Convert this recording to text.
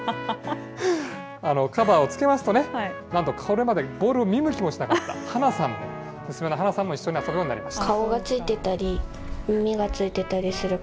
カバーをつけますと、なんとこれまでボールに見向きもしなかった花さん、娘の花さんも一緒に遊ぶようになりました。